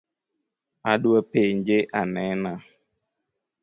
Adwa penje anena